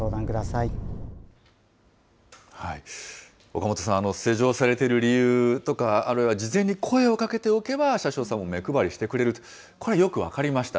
岡本さん、施錠されている理由とか、あるいは事前に声をかけておけば、車掌さんも目配りしてくれると、これ、よく分かりました。